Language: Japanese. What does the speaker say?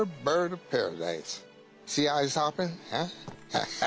ハハハ。